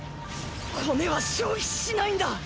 骨は消費しないんだ！！